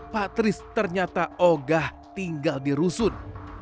patris ternyata ogah tinggal di rusun